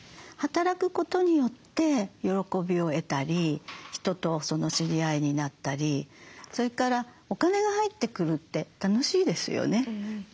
働くことによって喜びを得たり人と知り合いになったりそれからお金が入ってくるって楽しいですよね。